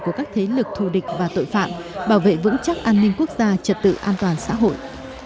của các thế lực thù địch và tội phạm bảo vệ vững chắc an ninh quốc gia trật tự an toàn xã hội